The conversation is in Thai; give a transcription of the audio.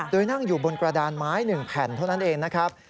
โดยนั่งอยู่บนกระดานไม้๑แผ่นเท่านั้นเองนะครับ